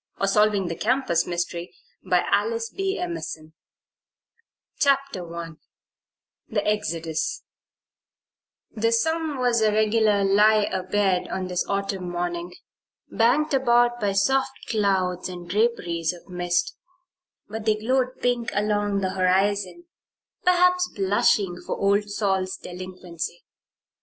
XXV. GETTING ON RUTH FIELDING AT BRIARWOOD HALL CHAPTER I THE EXODUS The sun was a regular lie abed on this Autumn morning, banked about by soft clouds and draperies of mist; but they glowed pink along the horizon perhaps blushing for Old Sol's delinquency.